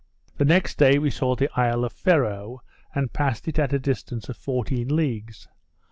The next day we saw the isle of Ferro, and passed it at the distance of fourteen leagues.